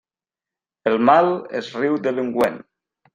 El mal es riu de l'ungüent.